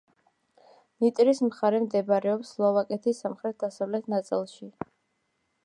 ნიტრის მხარე მდებარეობს სლოვაკეთის სამხრეთ-დასავლეთ ნაწილში.